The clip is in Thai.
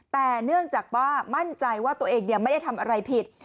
แต่เนื่องจากว่ามั่นใจว่าตัวเองไม่ได้ทำอะไรผิด